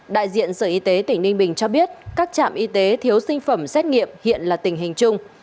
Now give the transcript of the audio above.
đại diện sở y tế tỉnh ninh bình cho biết các trạm y tế thiếu sinh phẩm xét nghiệm hiện là tình hình chung